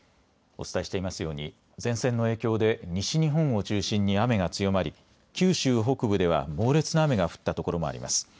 お伝えしていますように前線の影響で西日本を中心に雨が強まり九州北部では猛烈な雨が降った所もあります。